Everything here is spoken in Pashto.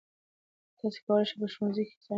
تاسي کولای شئ په ښوونځي کې ساینس په ښه توګه زده کړئ.